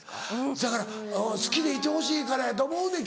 せやから好きでいてほしいからやと思うねん